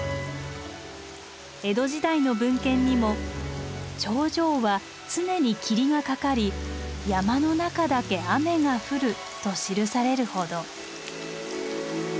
江戸時代の文献にも「頂上は常に霧がかかり山の中だけ雨が降る」と記されるほど。